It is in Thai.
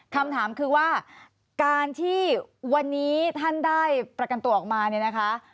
คำถามคือว่าการที่วันนี้ท่านได้ประกันตัวออกมาเนี่ยนะคะ